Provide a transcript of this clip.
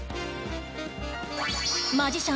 マジシャン